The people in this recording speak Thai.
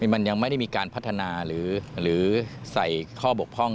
มันยังไม่ได้มีการพัฒนาหรือใส่ข้อบกพร่อง